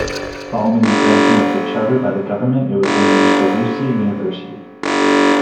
Following the granting of the charter by the Government it was renamed Solusi University.